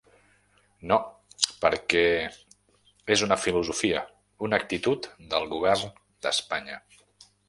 No, perquè és una filosofia, una actitud del govern d’Espanya.